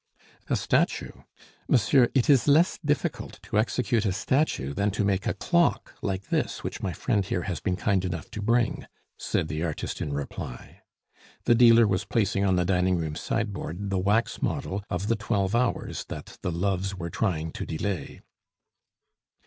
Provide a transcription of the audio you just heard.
"A statue! Monsieur, it is less difficult to execute a statue than to make a clock like this, which my friend here has been kind enough to bring," said the artist in reply. The dealer was placing on the dining room sideboard the wax model of the twelve Hours that the Loves were trying to delay.